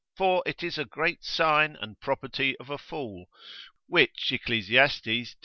For it is a great sign and property of a fool (which Eccl. x.